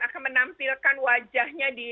akan menampilkan wajahnya